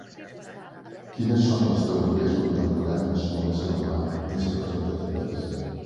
Quines són les teories contemporànies sobre l'ésser humà més representatives?